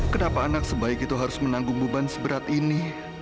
kenapa anak sebaik itu harus menanggung beban seberat ini